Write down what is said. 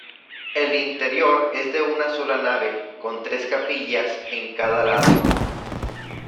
El interior es de una sola nave, con tres capillas en cada lado.